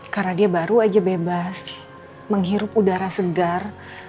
karena dia baru aja bebas menghirup udara segar